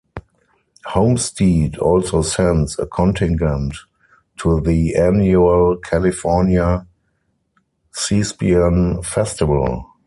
Homestead also sends a contingent to the annual California Thespian Festival.